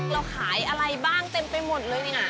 เราขายอะไรบ้างเต็มไปหมดเลยเนี่ย